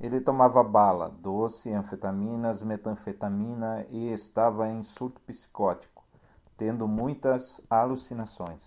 Ele tomava bala, doce, anfetaminas, metanfetamina e estava em surto psicótico, tendo muitas alucinações